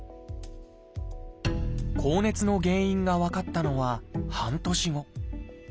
高熱の原因が分かったのは半年後。